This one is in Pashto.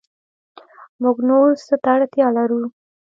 موږ نور څه ته اړتیا لرو